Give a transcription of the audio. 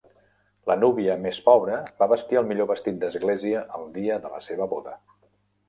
Lo núvia més pobra va vestir el millor vestit d'església el dia de la seva boda.